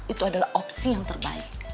itu adalah opsi yang terbaik